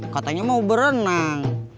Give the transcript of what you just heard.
katanya mau berenang